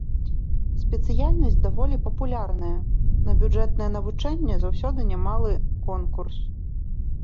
Спецыяльнасць даволі папулярная, на бюджэтнае навучанне заўсёды немалы конкурс.